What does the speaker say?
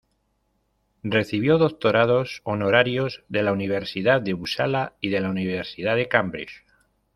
Recibió doctorados honorarios de la Universidad de Upsala y de la Universidad de Cambridge.